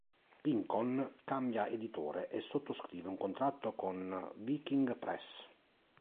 Pynchon cambia editore e sottoscrive un contratto con Viking Press.